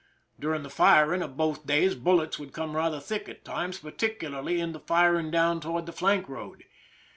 During the firing of both days, bullets would come rather thick at times, particularly in the firing down toward the flank road.